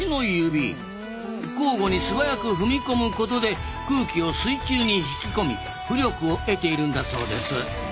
交互に素早く踏み込むことで空気を水中に引き込み浮力を得ているんだそうです。